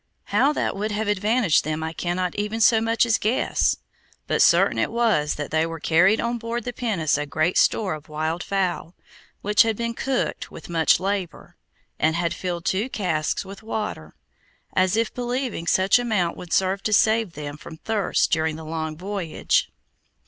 How that would have advantaged them I cannot even so much as guess; but certain it was that they carried on board the pinnace a great store of wild fowl, which had been cooked with much labor, and had filled two casks with water, as if believing such amount would serve to save them from thirst during the long voyage.